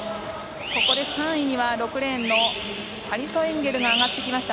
ここで３位には６レーンのタリソ・エンゲルが上がってきました。